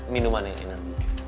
minuman yang enak